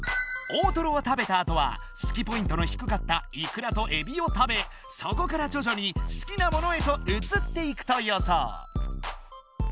大トロを食べたあとは好きポイントのひくかったいくらとえびを食べそこからじょじょに好きなものへとうつっていくとよそう。